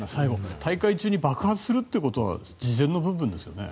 大会中に爆発するということは事前の部分ですよね。